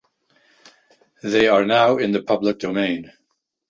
They are now in the public domain.